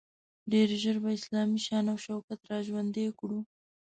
ډیر ژر به اسلامي شان او شوکت را ژوندی کړو.